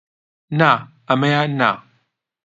نا، ئەمەیان نا!